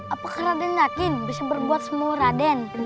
apakah raden yakin bisa berbuat semua raden